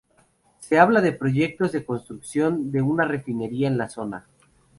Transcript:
Se habla de proyectos de construcción de una refinería en la zona.